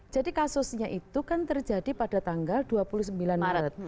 jadi kasusnya itu kan terjadi pada tanggal dua puluh sembilan maret